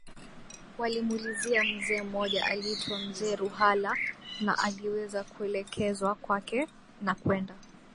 Alimuulizia mzee mmoja aliitwa mzee Ruhala na aliweza kuelekezwa kwake na kwenda